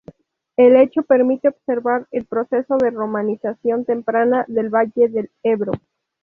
El hecho permite observar el proceso de romanización temprana del valle del Ebro.